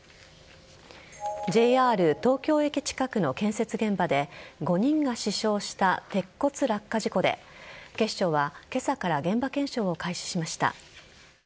ＪＲ東京駅近くの建設現場で５人が死傷した鉄骨落下事故で警視庁は今朝から現場検証を開始しました。